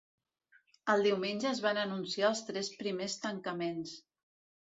El diumenge es van anunciar els tres primers tancaments.